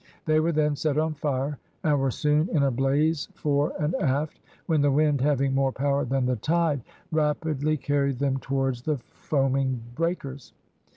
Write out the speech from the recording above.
They were then set on fire, and were soon in a blaze fore and aft, when the wind, having more power than the tide, rapidly carried them towards the foaming breakers.